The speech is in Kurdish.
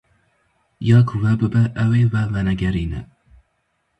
Ya ku we bibe ew ê we venegerîne.